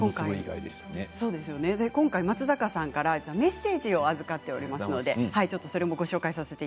今回、松坂さんからメッセージを預かっていますのでご紹介します。